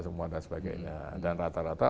semua dan sebagainya dan rata rata